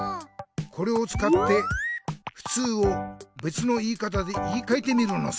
これをつかって「ふつう」をべつの言い方で言いかえてみるのさ。